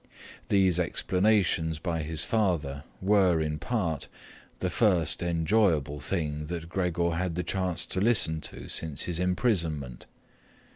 These explanations by his father were, in part, the first enjoyable thing that Gregor had the chance to listen to since his imprisonment.